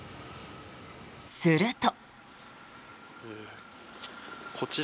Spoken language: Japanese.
すると。